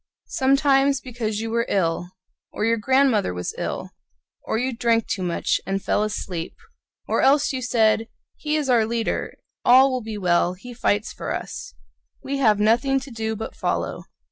— Sometimes because you were ill; Or your grandmother was ill; Or you drank too much and fell asleep; Or else you said: "He is our leader, All will be well; he fights for us; We have nothing to do but follow."